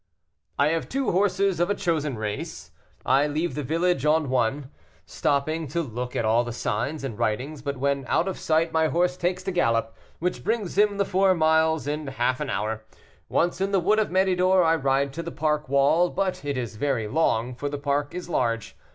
"I have two horses of a chosen race; I leave the village on one, stopping to look at all the signs and writings, but when out of sight my horse takes to a gallop, which brings him the four miles in half an hour. Once in the wood of Méridor I ride to the park wall, but it is very long, for the park is large.